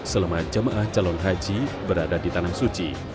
selama jemaah calon haji berada di tanah suci